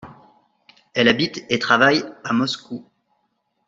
Elle habite et travaille à Moscou.